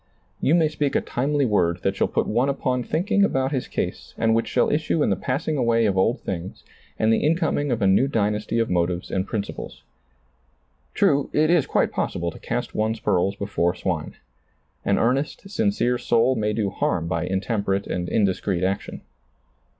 You may speak a timely word that shall put one upon thinking about his case and which shall issue in the passing away of old things and the incoming of a new dynasty of motives and prin ciples. True, it is quite possible to cast one's pearls be fore swine. An earnest, sincere soul may do harm by intemperate and indiscreet action.